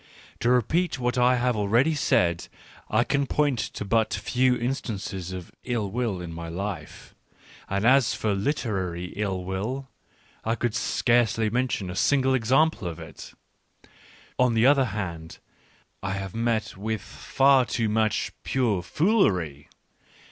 To repeat what I have al ready said, I can point to but few instances of ill \ will in my life : and as for literary ill will, I could I mention scarcely a single example of it. On the other hand, I have met with far too much pure foolery